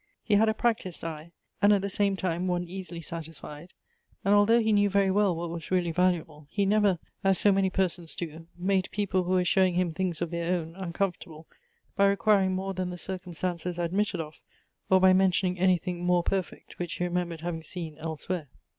He had a practised eye, and at the same time one easily satisfied ; and although he knew very well what was really valuable, he never, as so many persons do, made people who were showing him things of their own uncomfortable, by requiring more than the circumstances admitted of, or by mentioning anything more perfect, which he remembered having seen else where.